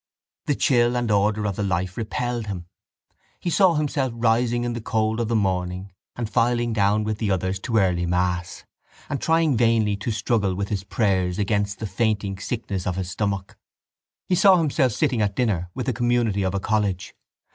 The chill and order of the life repelled him. He saw himself rising in the cold of the morning and filing down with the others to early mass and trying vainly to struggle with his prayers against the fainting sickness of his stomach. He saw himself sitting at dinner with the community of a college.